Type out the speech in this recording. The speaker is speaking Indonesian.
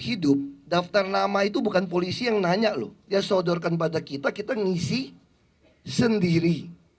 hidup daftar nama itu bukan polisi yang nanya loh ya sodorkan pada kita kita ngisi sendiri